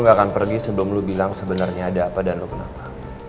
gak akan pergi sebelum lu bilang sebenarnya ada apa dan lo kenapa